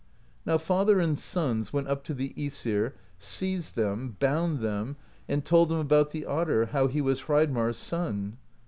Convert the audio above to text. " Now father and sons went up to the iEsir, seized them, bound them, and told them about the otter, how he was Hreidmarr's son.